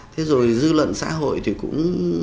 thế rồi dư luận xã hội thì cũng